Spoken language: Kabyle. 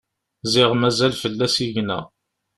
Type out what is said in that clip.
Ziɣ mazal fell-i asigna.